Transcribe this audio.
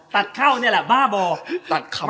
ตัดเข้านี่แหละบ้าบอก